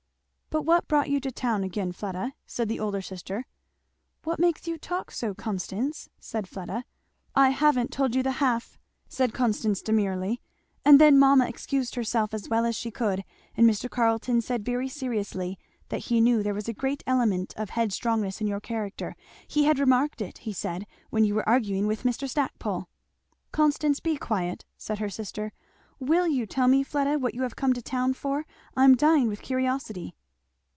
"But what brought you to town again, Fleda?" said the elder sister. "What makes you talk so, Constance?" said Fleda. "I haven't told you the half!" said Constance demurely. "And then mamma excused herself as well as she could, and Mr. Carleton said very seriously that he knew there was a great element of head strongness in your character he had remarked it, he said, when you were arguing with Mr. Stackpole." "Constance, be quiet!" said her sister. "Will you tell me, Fleda, what you have come to town for? I am dying with curiosity."